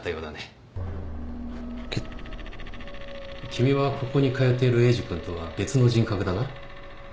君はここに通っているエイジ君とは別の人格だな？